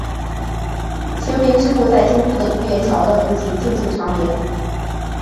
晴明之墓在京都的渡月桥的附近静静长眠。